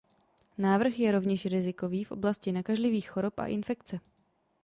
Návrh je rovněž rizikový v oblasti nakažlivých chorob a infekce.